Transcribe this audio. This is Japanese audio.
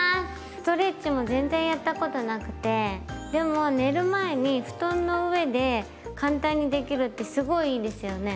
ストレッチも全然やったことなくてでも寝る前に布団の上で簡単にできるってすごいいいですよね。